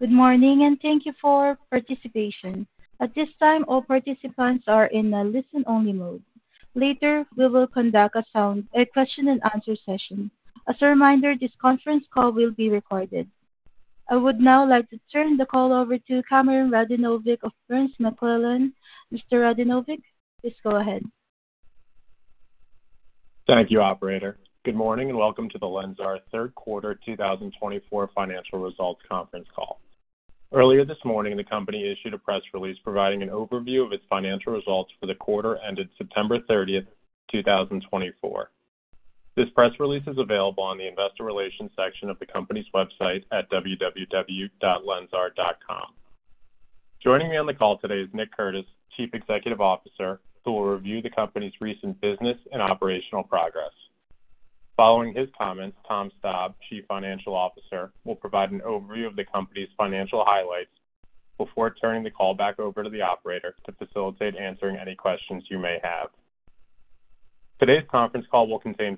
Good morning, and thank you for participating. At this time, all participants are in listen-only mode. Later, we will conduct a question-and-answer session. As a reminder, this conference call will be recorded. I would now like to turn the call over to Cameron Radanovic of EVC Group. Mr. Radanovic, please go ahead. Thank you, Operator. Good morning, and welcome to the LENSAR Q3 2024 financial results conference call. Earlier this morning, the company issued a press release providing an overview of its financial results for the quarter ended September 30, 2024. This press release is available on the Investor Relations section of the company's website at www.lensar.com. Joining me on the call today is Nick Curtis, Chief Executive Officer, who will review the company's recent business and operational progress. Following his comments, Tom Staab, Chief Financial Officer, will provide an overview of the company's financial highlights before turning the call back over to the Operator to facilitate answering any questions you may have. Today's conference call will contain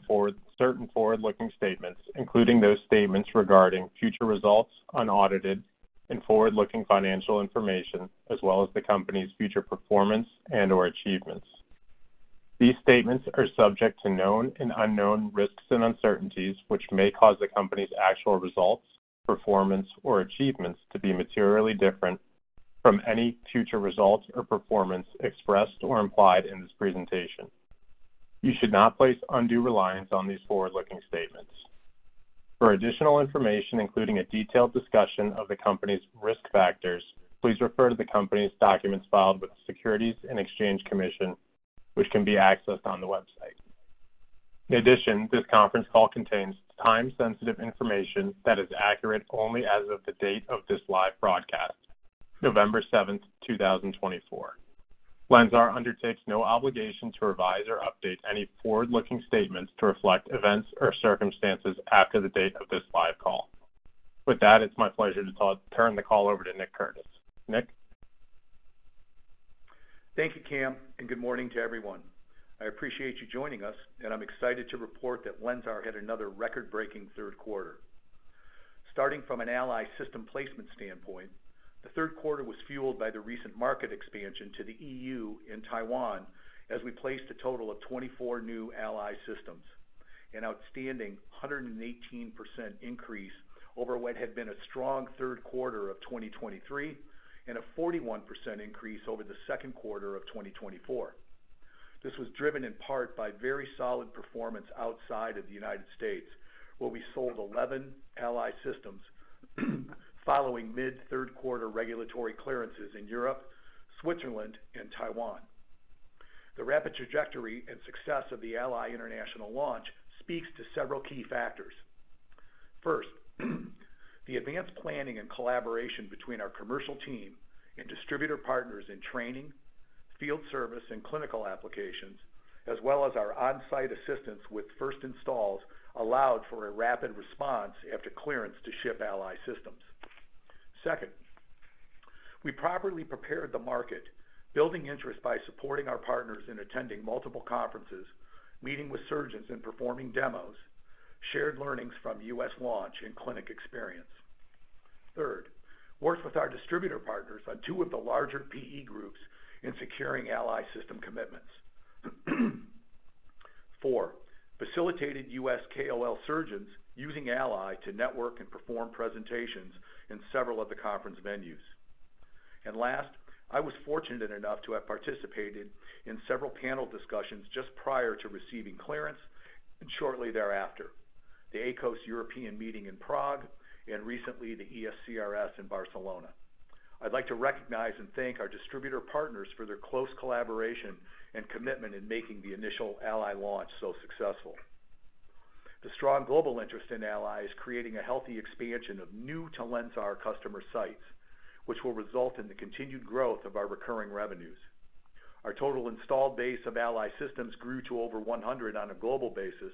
certain forward-looking statements, including those statements regarding future results, unaudited, and forward-looking financial information, as well as the company's future performance and/or achievements. These statements are subject to known and unknown risks and uncertainties, which may cause the company's actual results, performance, or achievements to be materially different from any future results or performance expressed or implied in this presentation. You should not place undue reliance on these forward-looking statements. For additional information, including a detailed discussion of the company's risk factors, please refer to the company's documents filed with the Securities and Exchange Commission, which can be accessed on the website. In addition, this conference call contains time-sensitive information that is accurate only as of the date of this live broadcast, November 7, 2024. LENSAR undertakes no obligation to revise or update any forward-looking statements to reflect events or circumstances after the date of this live call. With that, it's my pleasure to turn the call over to Nick Curtis. Nick? Thank you, Cam, and good morning to everyone. I appreciate you joining us, and I'm excited to report that LENSAR hit another record-breaking Q3. Starting from an ALLY system placement standpoint, the Q3 was fueled by the recent market expansion to the EU and Taiwan as we placed a total of 24 new ALLY systems, an outstanding 118% increase over what had been a strong Q3 of 2023 and a 41% increase over the Q2 of 2024. This was driven in part by very solid performance outside of the United States, where we sold 11 ALLY systems following mid-Q3 regulatory clearances in Europe, Switzerland, and Taiwan. The rapid trajectory and success of the ALLY international launch speaks to several key factors. First, the advanced planning and collaboration between our commercial team and distributor partners in training, field service, and clinical applications, as well as our on-site assistance with first installs allowed for a rapid response after clearance to ship ALLY systems. Second, we properly prepared the market, building interest by supporting our partners in attending multiple conferences, meeting with surgeons and performing demos, shared learnings from U.S. launch, and clinic experience. Third, worked with our distributor partners on two of the larger PE groups in securing ALLY system commitments. Fourth, facilitated U.S. KOL surgeons using ALLY to network and perform presentations in several of the conference venues. And last, I was fortunate enough to have participated in several panel discussions just prior to receiving clearance and shortly thereafter: the ACOS European meeting in Prague and recently the ESCRS in Barcelona. I'd like to recognize and thank our distributor partners for their close collaboration and commitment in making the initial ALLY launch so successful. The strong global interest in ALLY is creating a healthy expansion of new to LENSAR customer sites, which will result in the continued growth of our recurring revenues. Our total installed base of ALLY systems grew to over 100 on a global basis,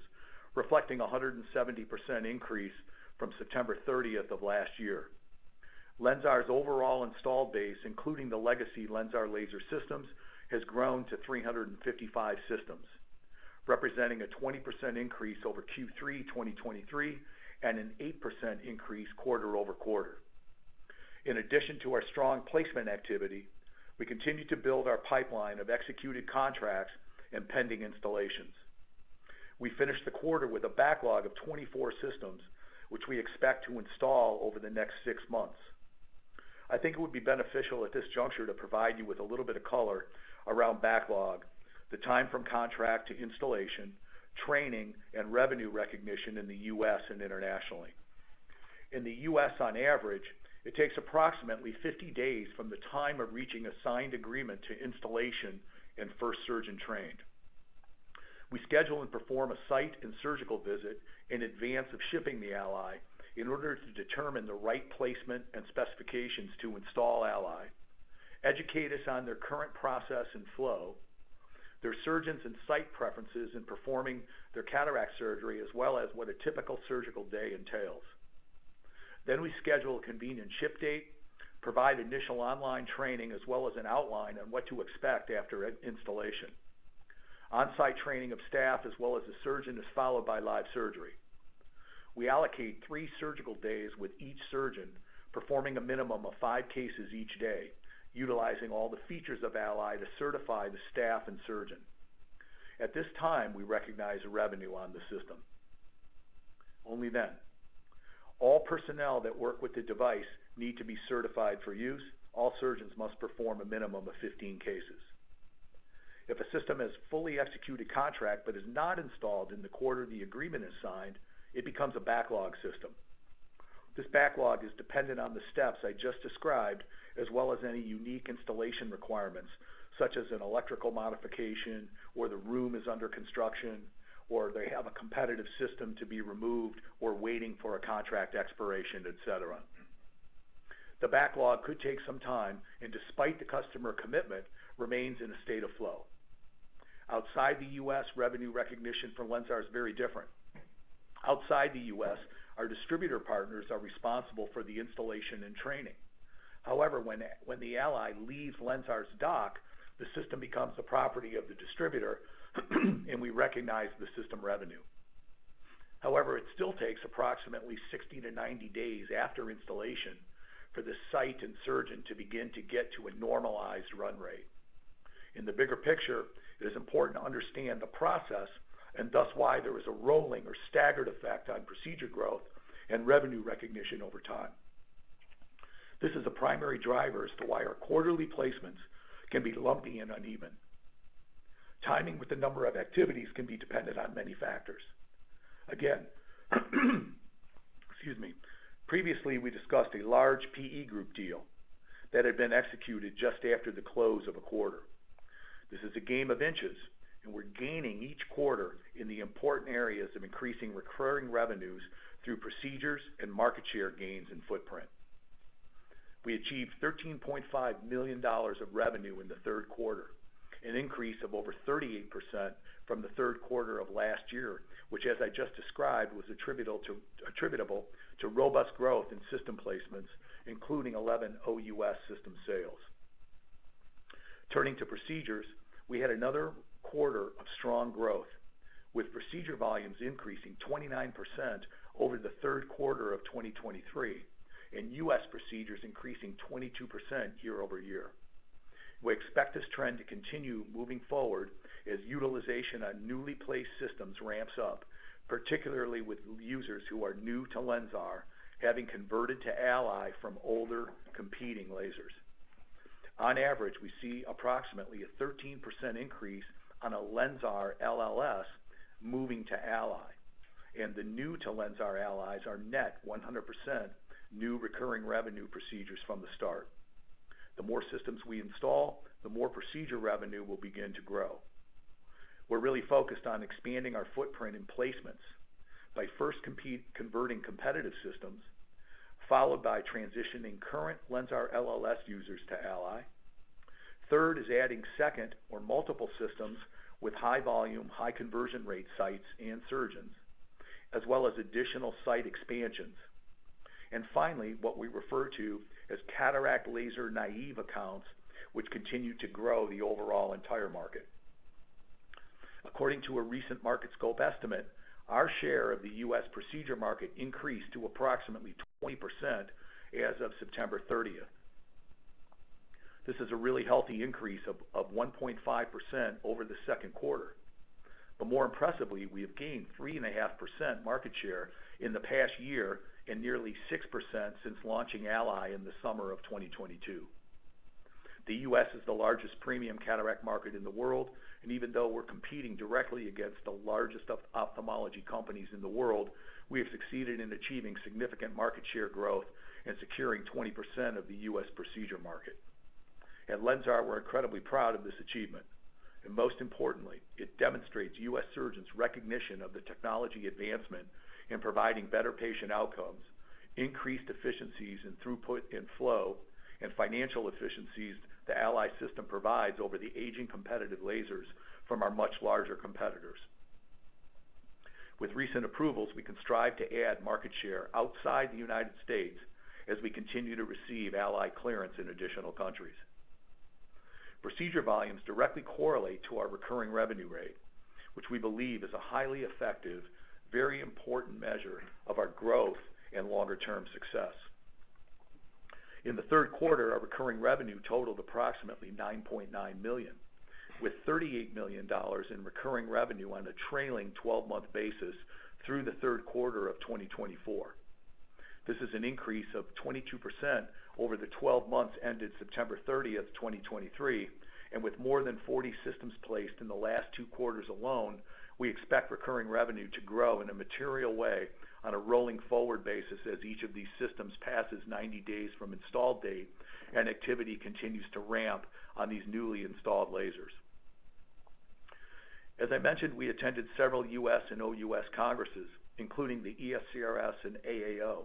reflecting a 170% increase from September 30 of last year. LENSAR's overall installed base, including the legacy LENSAR laser systems, has grown to 355 systems, representing a 20% increase over Q3 2023 and an 8% increase quarter over quarter. In addition to our strong placement activity, we continue to build our pipeline of executed contracts and pending installations. We finished the quarter with a backlog of 24 systems, which we expect to install over the next six months. I think it would be beneficial at this juncture to provide you with a little bit of color around backlog, the time from contract to installation, training, and revenue recognition in the U.S. and internationally. In the U.S., on average, it takes approximately 50 days from the time of reaching a signed agreement to installation and first surgeon trained. We schedule and perform a site and surgical visit in advance of shipping the ALLY in order to determine the right placement and specifications to install ALLY, educate us on their current process and flow, their surgeons' and site preferences in performing their cataract surgery, as well as what a typical surgical day entails. Then we schedule a convenient ship date, provide initial online training, as well as an outline on what to expect after installation. On-site training of staff, as well as the surgeon, is followed by live surgery. We allocate three surgical days with each surgeon, performing a minimum of five cases each day, utilizing all the features of ALLY to certify the staff and surgeon. At this time, we recognize a revenue on the system. Only then, all personnel that work with the device need to be certified for use. All surgeons must perform a minimum of 15 cases. If a system has fully executed contract but is not installed in the quarter the agreement is signed, it becomes a backlog system. This backlog is dependent on the steps I just described, as well as any unique installation requirements, such as an electrical modification, or the room is under construction, or they have a competitive system to be removed or waiting for a contract expiration, etc. The backlog could take some time, and despite the customer commitment, remains in a state of flow. Outside the U.S., revenue recognition for LENSAR is very different. Outside the U.S., our distributor partners are responsible for the installation and training. However, when the ALLY leaves LENSAR's dock, the system becomes the property of the distributor, and we recognize the system revenue. However, it still takes approximately 60-90 days after installation for the site and surgeon to begin to get to a normalized run rate. In the bigger picture, it is important to understand the process and thus why there is a rolling or staggered effect on procedure growth and revenue recognition over time. This is a primary driver as to why our quarterly placements can be lumpy and uneven. Timing with the number of activities can be dependent on many factors. Again, excuse me, previously we discussed a large PE Group deal that had been executed just after the close of a quarter. This is a game of inches, and we're gaining each quarter in the important areas of increasing recurring revenues through procedures and market share gains and footprint. We achieved $13.5 million of revenue in the Q3, an increase of over 38% from the Q3 of last year, which, as I just described, was attributable to robust growth in system placements, including 11 OUS system sales. Turning to procedures, we had another quarter of strong growth, with procedure volumes increasing 29% over the Q3 of 2023 and U.S. procedures increasing 22% year-over-year. We expect this trend to continue moving forward as utilization on newly placed systems ramps up, particularly with users who are new to LENSAR having converted to ALLY from older competing lasers. On average, we see approximately a 13% increase on a LENSAR LLS moving to ALLY, and the new to LENSAR ALLYs are net 100% new recurring revenue procedures from the start. The more systems we install, the more procedure revenue will begin to grow. We're really focused on expanding our footprint in placements by first converting competitive systems, followed by transitioning current LENSAR LLS users to ALLY. Third is adding second or multiple systems with high volume, high conversion rate sites and surgeons, as well as additional site expansions. And finally, what we refer to as cataract laser naive accounts, which continue to grow the overall entire market. According to a recent Market Scope estimate, our share of the U.S. procedure market increased to approximately 20% as of September 30. This is a really healthy increase of 1.5% over the Q2. But more impressively, we have gained 3.5% market share in the past year and nearly 6% since launching ALLY in the summer of 2022. The U.S. is the largest premium cataract market in the world, and even though we're competing directly against the largest ophthalmology companies in the world, we have succeeded in achieving significant market share growth and securing 20% of the U.S. procedure market. At LENSAR, we're incredibly proud of this achievement. And most importantly, it demonstrates U.S. surgeons' recognition of the technology advancement in providing better patient outcomes, increased efficiencies in throughput and flow, and financial efficiencies the ALLY system provides over the aging competitive lasers from our much larger competitors. With recent approvals, we can strive to add market share outside the United States as we continue to receive ALLY clearance in additional countries. Procedure volumes directly correlate to our recurring revenue rate, which we believe is a highly effective, very important measure of our growth and longer-term success. In the Q3, our recurring revenue totaled approximately $9.9 million, with $38 million in recurring revenue on a trailing 12-month basis through the Q3 of 2024. This is an increase of 22% over the 12 months ended September 30, 2023. And with more than 40 systems placed in the last two quarters alone, we expect recurring revenue to grow in a material way on a rolling forward basis as each of these systems passes 90 days from install date and activity continues to ramp on these newly installed lasers. As I mentioned, we attended several U.S. and OUS congresses, including the ESCRS and AAO,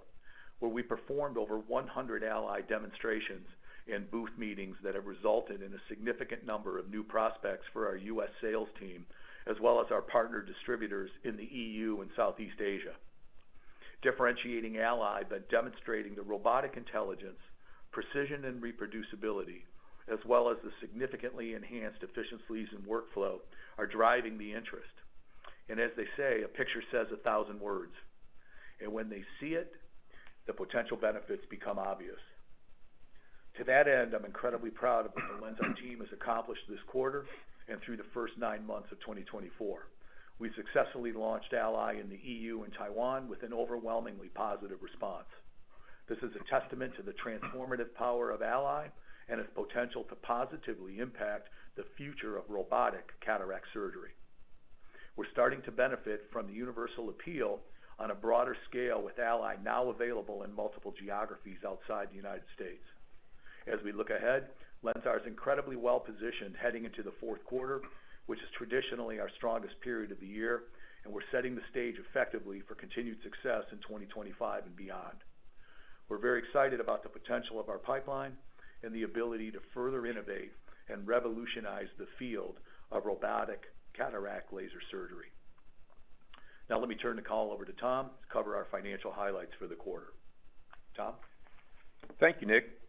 where we performed over 100 ALLY demonstrations and booth meetings that have resulted in a significant number of new prospects for our U.S. sales team, as well as our partner distributors in the EU and Southeast Asia. Differentiating ALLY but demonstrating the robotic intelligence, precision, and reproducibility, as well as the significantly enhanced efficiencies and workflow, are driving the interest. And as they say, a picture says a thousand words. And when they see it, the potential benefits become obvious. To that end, I'm incredibly proud of what the LENSAR team has accomplished this quarter and through the first nine months of 2024. We successfully launched ALLY in the EU and Taiwan with an overwhelmingly positive response. This is a testament to the transformative power of ALLY and its potential to positively impact the future of robotic cataract surgery. We're starting to benefit from the universal appeal on a broader scale with ALLY now available in multiple geographies outside the United States. As we look ahead, LENSAR is incredibly well positioned heading into the Q4, which is traditionally our strongest period of the year, and we're setting the stage effectively for continued success in 2025 and beyond. We're very excited about the potential of our pipeline and the ability to further innovate and revolutionize the field of robotic cataract laser surgery. Now let me turn the call over to Tom to cover our financial highlights for the quarter. Tom? Thank you, Nick.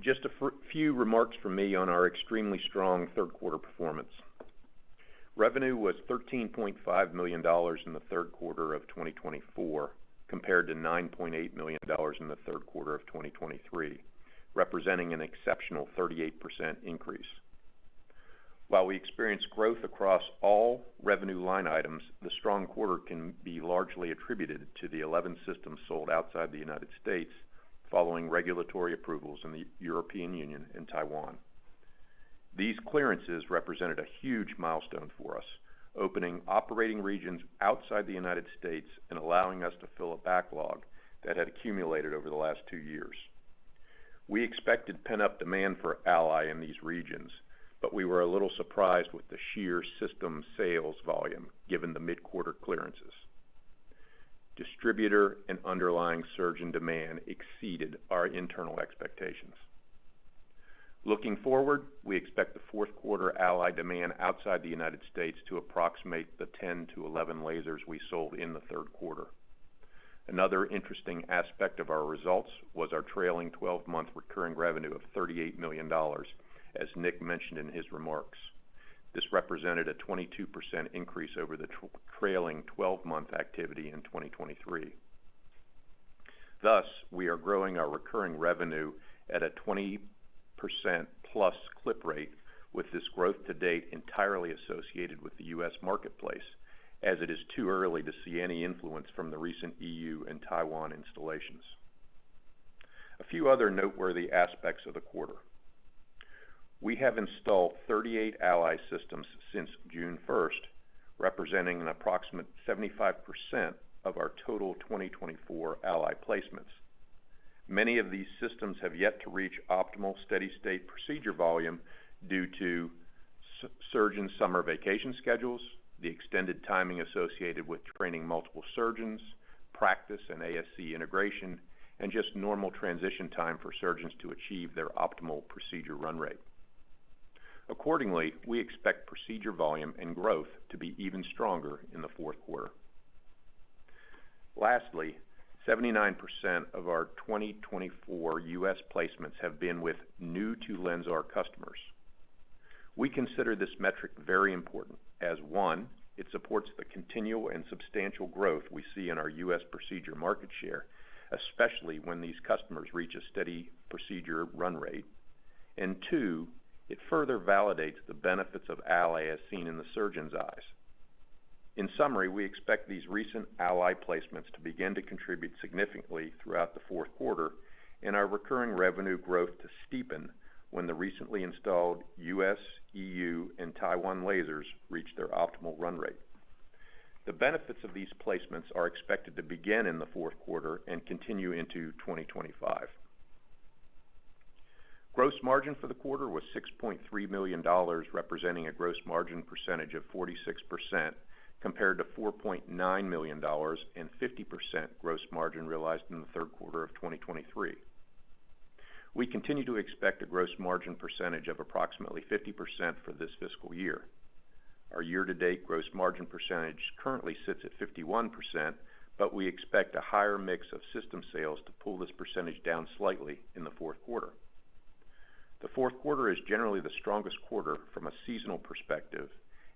Just a few remarks from me on our extremely strong Q3 performance. Revenue was $13.5 million in the Q3 of 2024 compared to $9.8 million in the Q3 of 2023, representing an exceptional 38% increase. While we experienced growth across all revenue line items, the strong quarter can be largely attributed to the 11 systems sold outside the United States following regulatory approvals in the European Union and Taiwan. These clearances represented a huge milestone for us, opening operating regions outside the United States and allowing us to fill a backlog that had accumulated over the last two years. We expected pent-up demand for ALLY in these regions, but we were a little surprised with the sheer system sales volume given the mid-quarter clearances. Distributor and underlying surgeon demand exceeded our internal expectations. Looking forward, we expect the Q4 ALLY demand outside the United States to approximate the 10 to 11 lasers we sold in the Q3. Another interesting aspect of our results was our trailing 12-month recurring revenue of $38 million, as Nick mentioned in his remarks. This represented a 22% increase over the trailing 12-month activity in 2023. Thus, we are growing our recurring revenue at a 20% plus clip rate, with this growth to date entirely associated with the U.S. marketplace, as it is too early to see any influence from the recent EU and Taiwan installations. A few other noteworthy aspects of the quarter: we have installed 38 ALLY systems since June 1, representing an approximate 75% of our total 2024 ALLY placements. Many of these systems have yet to reach optimal steady-state procedure volume due to surgeon summer vacation schedules, the extended timing associated with training multiple surgeons, practice and ASC integration, and just normal transition time for surgeons to achieve their optimal procedure run rate. Accordingly, we expect procedure volume and growth to be even stronger in the Q4. Lastly, 79% of our 2024 U.S. placements have been with new to LENSAR customers. We consider this metric very important as, one, it supports the continual and substantial growth we see in our U.S. procedure market share, especially when these customers reach a steady procedure run rate, and two, it further validates the benefits of ALLY as seen in the surgeon's eyes. In summary, we expect these recent ALLY placements to begin to contribute significantly throughout the Q4 and our recurring revenue growth to steepen when the recently installed U.S., EU, and Taiwan lasers reach their optimal run rate. The benefits of these placements are expected to begin in the Q4 and continue into 2025. Gross margin for the quarter was $6.3 million, representing a gross margin percentage of 46% compared to $4.9 million and 50% gross margin realized in the Q4 of 2023. We continue to expect a gross margin percentage of approximately 50% for this fiscal year. Our year-to-date gross margin percentage currently sits at 51%, but we expect a higher mix of system sales to pull this percentage down slightly in the Q4. The Q4 is generally the strongest quarter from a seasonal perspective,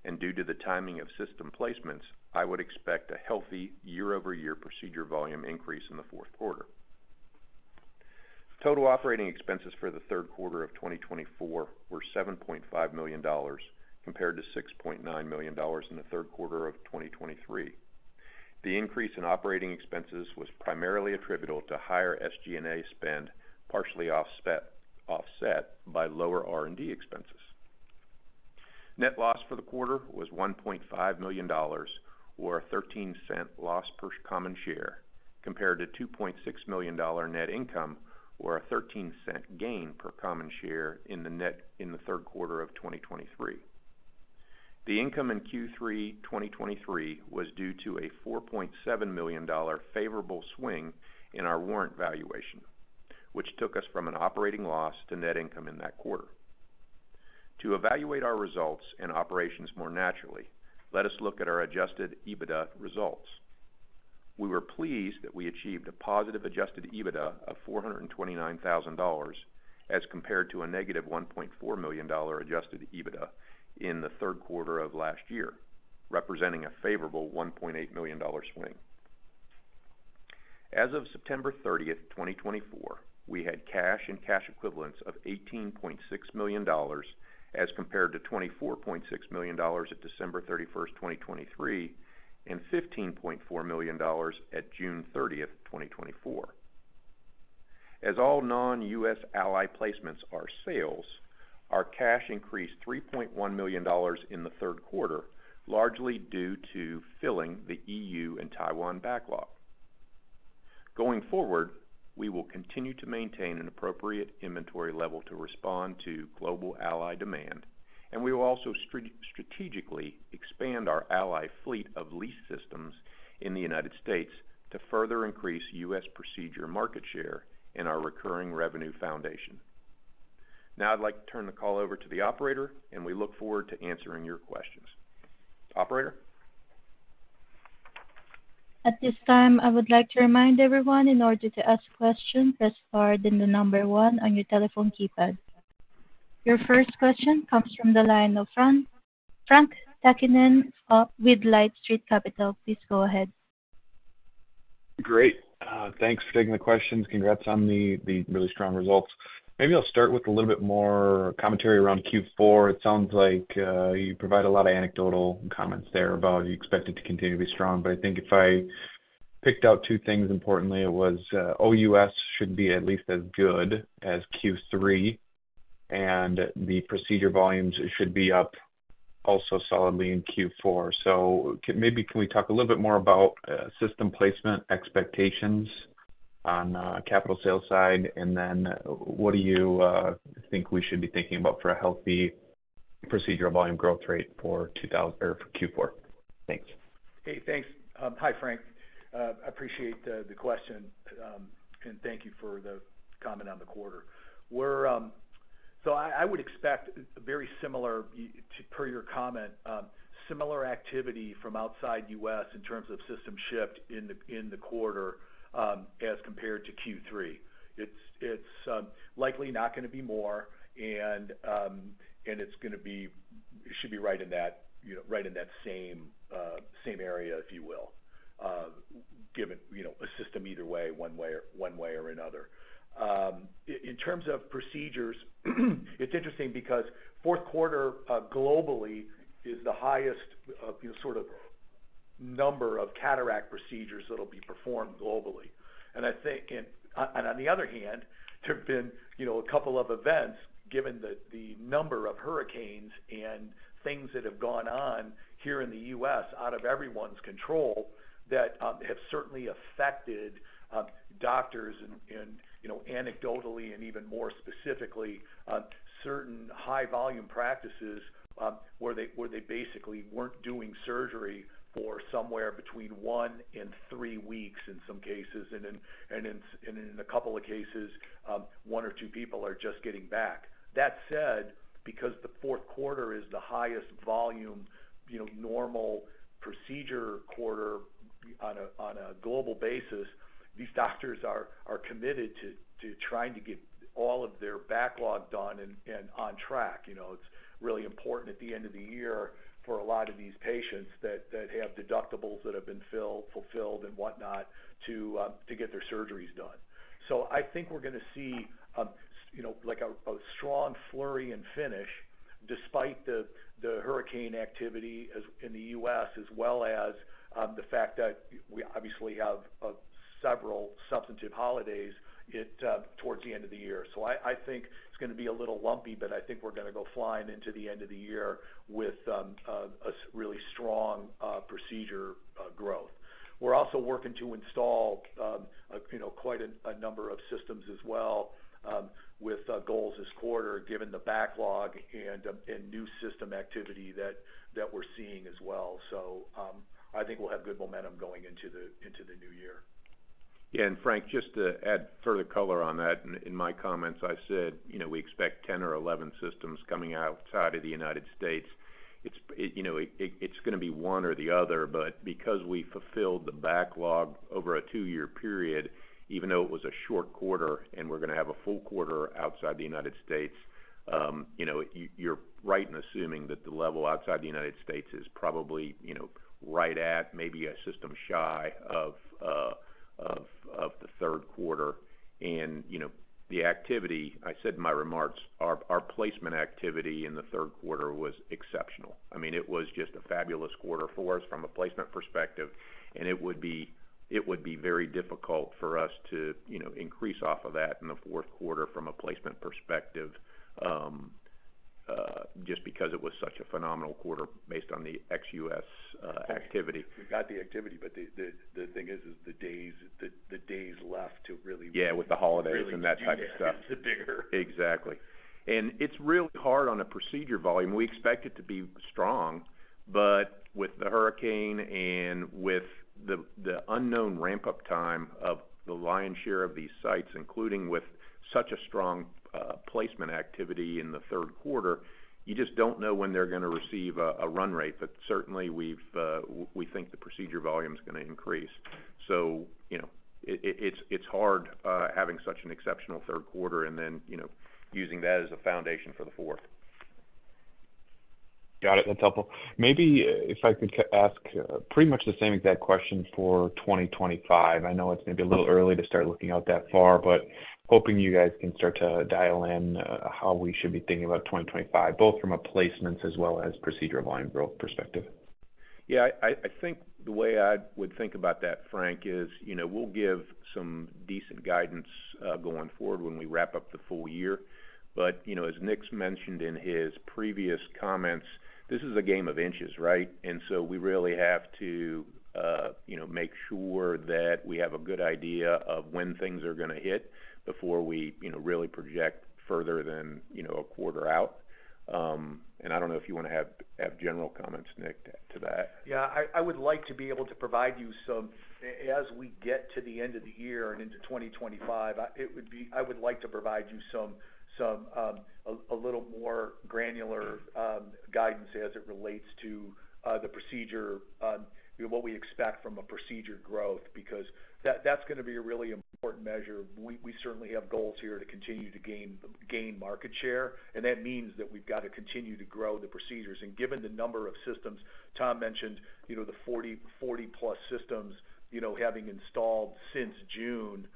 and due to the timing of system placements, I would expect a healthy year-over-year procedure volume increase in the Q4. Total operating expenses for the Q4 of 2024 were $7.5 million compared to $6.9 million in the Q4 of 2023. The increase in operating expenses was primarily attributable to higher SG&A spend, partially offset by lower R&D expenses. Net loss for the quarter was $1.5 million, or a $0.13 loss per common share, compared to $2.6 million net income, or a $0.13 gain per common share in the Q4 of 2023. The income in Q3 2023 was due to a $4.7 million favorable swing in our warrant valuation, which took us from an operating loss to net income in that quarter. To evaluate our results and operations more naturally, let us look at our adjusted EBITDA results. We were pleased that we achieved a positive Adjusted EBITDA of $429,000 as compared to a negative $1.4 million Adjusted EBITDA in the Q4 of last year, representing a favorable $1.8 million swing. As of September 30, 2024, we had cash and cash equivalents of $18.6 million as compared to $24.6 million at December 31, 2023, and $15.4 million at June 30, 2024. As all non-U.S. ALLY placements are sales, our cash increased $3.1 million in the Q4, largely due to filling the EU and Taiwan backlog. Going forward, we will continue to maintain an appropriate inventory level to respond to global ALLY demand, and we will also strategically expand our ALLY fleet of lease systems in the United States to further increase U.S. procedure market share and our recurring revenue foundation. Now I'd like to turn the call over to the operator, and we look forward to answering your questions. Operator? At this time, I would like to remind everyone, in order to ask questions, press star, then the number one on your telephone keypad. Your first question comes from the line of Frank Takkinen with Light Street Capital. Please go ahead. Great. Thanks for taking the questions. Congrats on the really strong results. Maybe I'll start with a little bit more commentary around Q4. It sounds like you provide a lot of anecdotal comments there about you expect it to continue to be strong. But I think if I picked out two things importantly, it was OUS should be at least as good as Q3, and the procedure volumes should be up also solidly in Q4. So maybe can we talk a little bit more about system placement expectations on capital sales side, and then what do you think we should be thinking about for a healthy procedure volume growth rate for Q4? Thanks. Hey, thanks. Hi, Frank. I appreciate the question, and thank you for the comment on the quarter. So I would expect, per your comment, similar activity from outside U.S. in terms of system shift in the quarter as compared to Q3. It's likely not going to be more, and it should be right in that same area, if you will, given a system either way, one way or another. In terms of procedures, it's interesting because Q4 globally is the highest sort of number of cataract procedures that will be performed globally. On the other hand, there have been a couple of events, given the number of hurricanes and things that have gone on here in the U.S., out of everyone's control, that have certainly affected doctors and anecdotally and even more specifically certain high-volume practices where they basically weren't doing surgery for somewhere between one and three weeks in some cases, and in a couple of cases, one or two people are just getting back. That said, because the Q4 is the highest volume normal procedure quarter on a global basis, these doctors are committed to trying to get all of their backlog done and on track. It's really important at the end of the year for a lot of these patients that have deductibles that have been fulfilled and whatnot to get their surgeries done. So I think we're going to see a strong flurry and finish despite the hurricane activity in the U.S., as well as the fact that we obviously have several substantive holidays towards the end of the year. So I think it's going to be a little lumpy, but I think we're going to go flying into the end of the year with a really strong procedure growth. We're also working to install quite a number of systems as well with goals this quarter, given the backlog and new system activity that we're seeing as well. So I think we'll have good momentum going into the new year. Yeah. And Frank, just to add further color on that, in my comments, I said we expect 10 or 11 systems coming outside of the United States. It's going to be one or the other, but because we fulfilled the backlog over a two-year period, even though it was a short quarter and we're going to have a full quarter outside the United States, you're right in assuming that the level outside the United States is probably right at maybe a system shy of the Q3. And the activity, I said in my remarks, our placement activity in the Q3 was exceptional. I mean, it was just a fabulous quarter for us from a placement perspective, and it would be very difficult for us to increase off of that in the Q4 from a placement perspective just because it was such a phenomenal quarter based on the ex-U.S. activity. We've got the activity, but the thing is the days left to really. Yeah, with the holidays and that type of stuff. The bigger. Exactly. And it's really hard on a procedure volume. We expect it to be strong, but with the hurricane and with the unknown ramp-up time of the lion's share of these sites, including with such a strong placement activity in the Q3, you just don't know when they're going to receive a run rate. But certainly, we think the procedure volume is going to increase. So it's hard having such an exceptional Q3 and then using that as a foundation for the Q4. Got it. That's helpful. Maybe if I could ask pretty much the same exact question for 2025. I know it's maybe a little early to start looking out that far, but hoping you guys can start to dial in how we should be thinking about 2025, both from a placements as well as procedure volume growth perspective. Yeah. I think the way I would think about that, Frank, is we'll give some decent guidance going forward when we wrap up the full year. But as Nick mentioned in his previous comments, this is a game of inches, right? And so we really have to make sure that we have a good idea of when things are going to hit before we really project further than a quarter out. And I don't know if you want to have general comments, Nick, to that. Yeah. I would like to be able to provide you some, as we get to the end of the year and into 2025, I would like to provide you a little more granular guidance as it relates to the procedure, what we expect from a procedure growth, because that's going to be a really important measure. We certainly have goals here to continue to gain market share, and that means that we've got to continue to grow the procedures. And given the number of systems, Tom mentioned, the 40-plus systems having installed since June,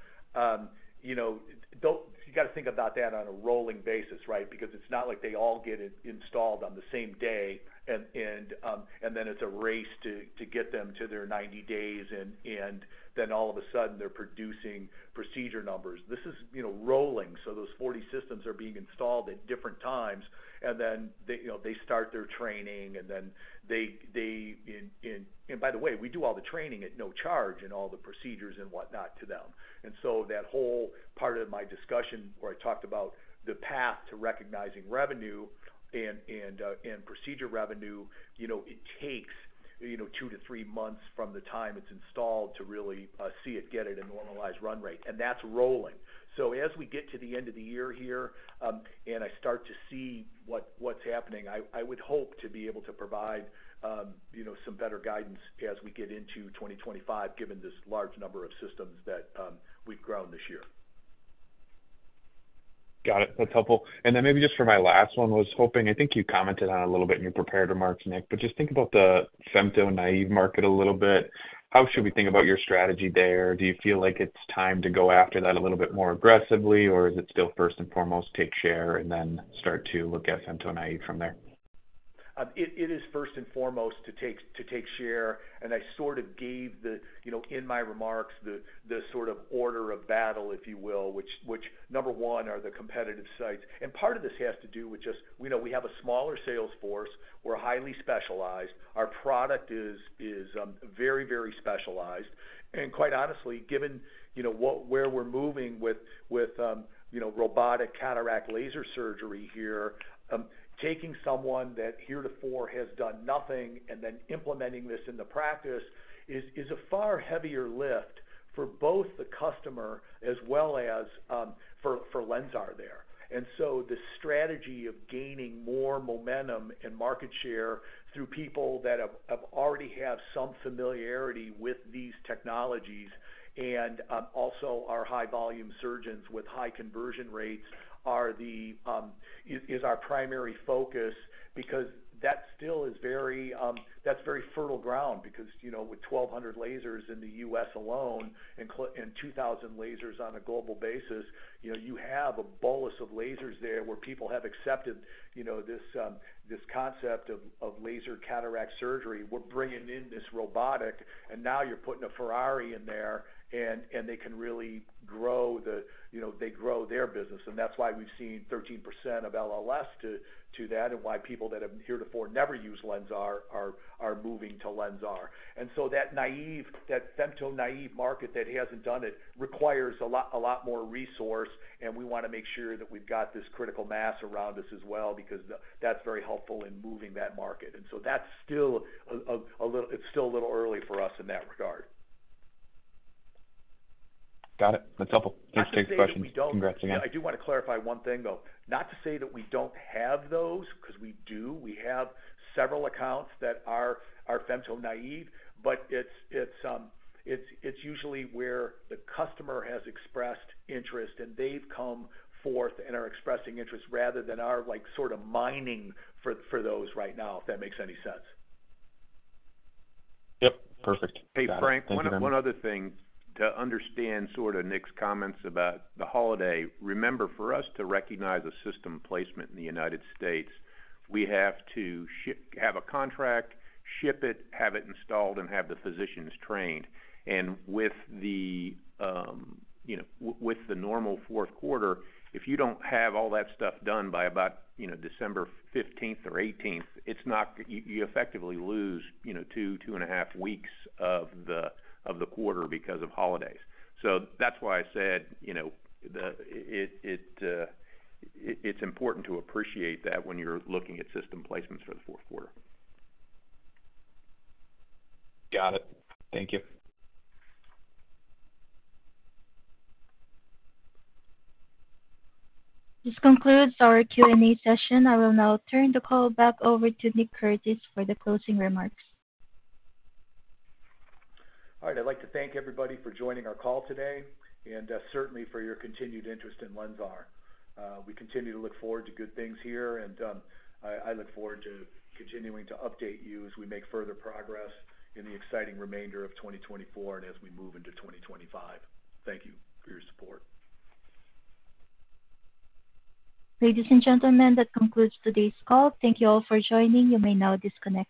you got to think about that on a rolling basis, right? Because it's not like they all get installed on the same day, and then it's a race to get them to their 90 days, and then all of a sudden they're producing procedure numbers. This is rolling. So those 40 systems are being installed at different times, and then they start their training, and by the way, we do all the training at no charge and all the procedures and whatnot to them. And so that whole part of my discussion where I talked about the path to recognizing revenue and procedure revenue, it takes two to three months from the time it's installed to really see it get at a normalized run rate. And that's rolling. So as we get to the end of the year here and I start to see what's happening, I would hope to be able to provide some better guidance as we get into 2025, given this large number of systems that we've grown this year. Got it. That's helpful. And then maybe just for my last one, I was hoping, I think you commented on it a little bit in your prepared remarks, Nick, but just think about the Femto-naive market a little bit. How should we think about your strategy there? Do you feel like it's time to go after that a little bit more aggressively, or is it still first and foremost take share and then start to look at Femto-naive from there? It is first and foremost to take share, and I sort of gave in my remarks the sort of order of battle, if you will, which number one are the competitive sites, and part of this has to do with just we have a smaller sales force. We're highly specialized. Our product is very, very specialized, and quite honestly, given where we're moving with robotic cataract laser surgery here, taking someone that heretofore has done nothing and then implementing this in the practice is a far heavier lift for both the customer as well as for LENSAR there, and so the strategy of gaining more momentum and market share through people that already have some familiarity with these technologies and also our high-volume surgeons with high conversion rates is our primary focus because that still is very fertile ground, because with 1,200 lasers in the U.S. alone and 2,000 lasers on a global basis, you have a bolus of lasers there where people have accepted this concept of laser cataract surgery. We're bringing in this robotic, and now you're putting a Ferrari in there, and they can really grow their business. And that's why we've seen 13% of LLS to that and why people that have one to four never used LENSAR are moving to LENSAR. And so that Femto-naive market that hasn't done it requires a lot more resource, and we want to make sure that we've got this critical mass around us as well because that's very helpful in moving that market. And so that's still a little, it's still a little early for us in that regard. Got it. That's helpful. Thanks for taking the question. Congrats again. I do want to clarify one thing, though. Not to say that we don't have those because we do. We have several accounts that are Femto-naive, but it's usually where the customer has expressed interest, and they've come forth and are expressing interest rather than our sort of mining for those right now, if that makes any sense. Yep. Perfect. Hey, Frank, one other thing. To understand sort of Nick's comments about the holiday, remember, for us to recognize a system placement in the United States, we have to have a contract, ship it, have it installed, and have the physicians trained, and with the normal Q4, if you don't have all that stuff done by about December 15th or 18th, you effectively lose two, two and a half weeks of the quarter because of holidays, so that's why I said it's important to appreciate that when you're looking at system placements for the Q4. Got it. Thank you. This concludes our Q&A session. I will now turn the call back over to Nick Curtis for the closing remarks. All right. I'd like to thank everybody for joining our call today and certainly for your continued interest in LENSAR. We continue to look forward to good things here, and I look forward to continuing to update you as we make further progress in the exciting remainder of 2024 and as we move into 2025. Thank you for your support. Ladies and gentlemen, that concludes today's call. Thank you all for joining. You may now disconnect.